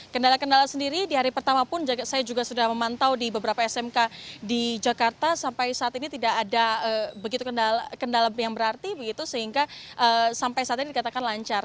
kendala kendala sendiri di hari pertama pun saya juga sudah memantau di beberapa smk di jakarta sampai saat ini tidak ada begitu kendala yang berarti begitu sehingga sampai saat ini dikatakan lancar